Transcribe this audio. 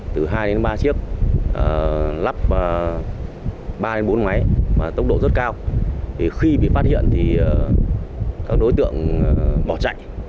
từ hai đến ba chiếc lắp ba đến bốn máy mà tốc độ rất cao thì khi bị phát hiện thì các đối tượng bỏ chạy